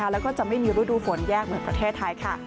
แล้วก็จะไม่มีฤดูฝนแยกเหมือนประเทศไทยค่ะ